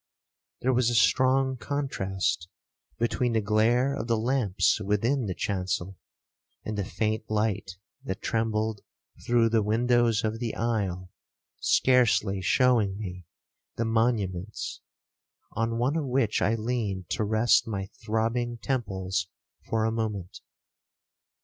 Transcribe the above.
There was a strong contrast between the glare of the lamps within the chancel, and the faint light that trembled through the windows of the aisle, scarcely showing me the monuments, on one of which I leaned to rest my throbbing temples for a moment.